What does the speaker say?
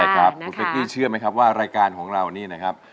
คุณเป๊กกี้เชื่อไหมครับว่ารายการของเรานี่นะครับ